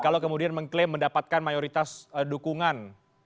kalau kemudian mengklaim mendapatkan mayoritas dukungan